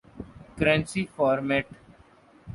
currency format